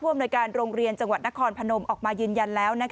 อำนวยการโรงเรียนจังหวัดนครพนมออกมายืนยันแล้ว